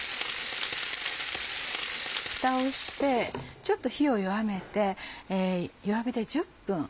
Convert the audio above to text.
ふたをしてちょっと火を弱めて弱火で１０分。